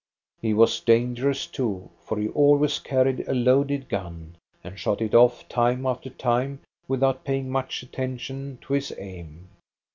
He was dangerous too; for he always carried a loaded gun, and shot it off time after time without paying much attention to his aim.